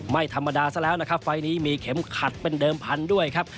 ไม่ธรรมดาซะแล้วนะครับไฟล์นี้มีเข็มขัดเป็นเดิมพันธุ์ด้วยครับ